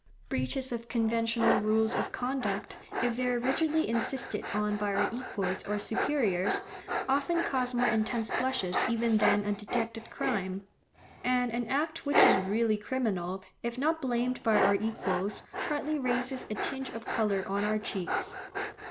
Breaches of conventional rules of conduct, if they are rigidly insisted on by our equals or superiors, often cause more intense blushes even than a detected crime, and an act which is really criminal, if not blamed by our equals, hardly raises a tinge of colour on our cheeks.